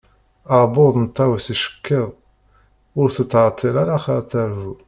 Aɛebbuḍ n Tawes icekkeḍ, ur tettɛeṭṭil ara ad d-terbu.